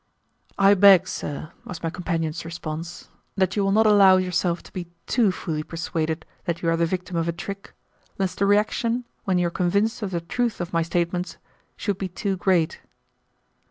"I beg, sir," was my companion's response, "that you will not allow yourself to be too fully persuaded that you are the victim of a trick, lest the reaction, when you are convinced of the truth of my statements, should be too great."